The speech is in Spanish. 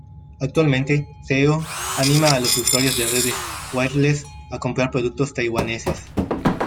Actualmente, Theo anima a los usuarios de redes wireless a comprar productos taiwaneses.